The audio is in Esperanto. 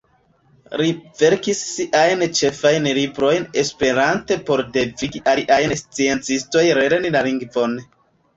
Li verkis sian ĉefajn librojn esperante por devigi aliajn sciencistojn lerni la lingvon.